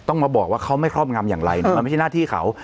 มาบอกว่าเขาไม่ครอบงำอย่างไรมันไม่ใช่หน้าที่เขา